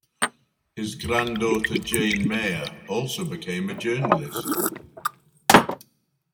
His granddaughter Jane Mayer also became a journalist.